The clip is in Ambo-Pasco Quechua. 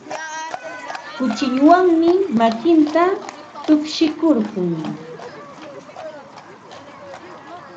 Kuchilluwanmi makinta tukshikurqun.